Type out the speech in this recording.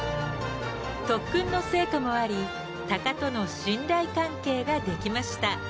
特訓の成果もあり鷹との信頼関係が出来ました。